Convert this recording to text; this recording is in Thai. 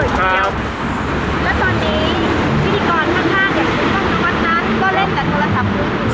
ก็เล่นแบบโทรศัพท์ผม